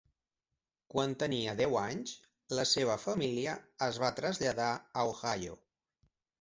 Quan tenia deu anys, la seva família es va traslladar a Ohio.